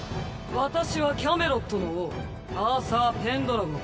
私はキャメロットの王アーサー・ペンドラゴン。